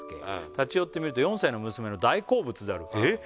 「立ち寄ってみると４歳の娘の大好物である」えっ！？